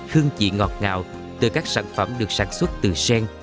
hương vị ngọt ngào từ các sản phẩm được sản xuất từ sen